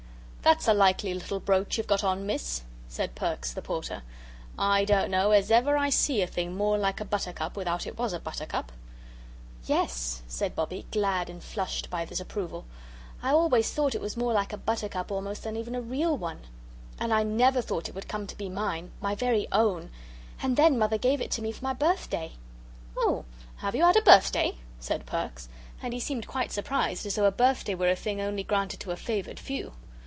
"That's a likely little brooch you've got on, Miss," said Perks the Porter; "I don't know as ever I see a thing more like a buttercup without it WAS a buttercup." "Yes," said Bobbie, glad and flushed by this approval. "I always thought it was more like a buttercup almost than even a real one and I NEVER thought it would come to be mine, my very own and then Mother gave it to me for my birthday." "Oh, have you had a birthday?" said Perks; and he seemed quite surprised, as though a birthday were a thing only granted to a favoured few.